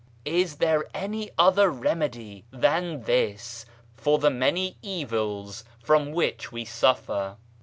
Is there any other remedy than this for the many evils from which we surfer